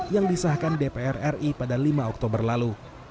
yang disahkan dpr ri pada lima oktober lalu